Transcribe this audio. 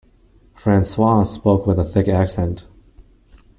Francois spoke with a thick accent.